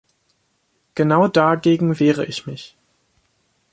Genau dagegen wehre ich mich.